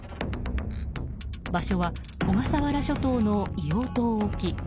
場所は小笠原諸島の硫黄島沖。